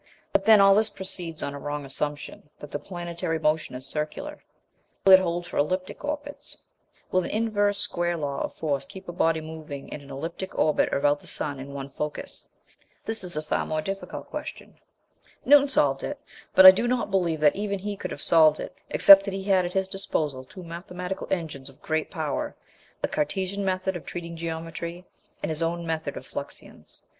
But then all this proceeds on a wrong assumption that the planetary motion is circular. Will it hold for elliptic orbits? Will an inverse square law of force keep a body moving in an elliptic orbit about the sun in one focus? This is a far more difficult question. Newton solved it, but I do not believe that even he could have solved it, except that he had at his disposal two mathematical engines of great power the Cartesian method of treating geometry, and his own method of Fluxions.